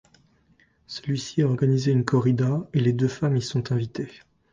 Celui-ci a organisé une corrida et les deux femmes y sont invitées.